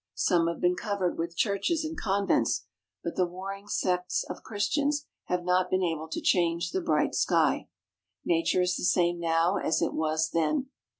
Some have been covered 138 BETHLEHEM with churches and convents, but the warring sects of Christians have not been able to change the bright sky. Nature is the same now as it was then.